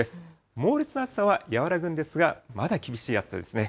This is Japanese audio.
猛烈な暑さは和らぐんですが、まだ厳しい暑さですね。